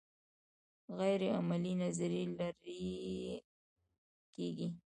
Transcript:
غیر عملي نظریې لرې کیږي.